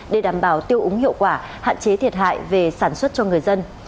để đảm bảo tiêu úng hiệu quả hạn chế thiệt hại về sản xuất cho người dân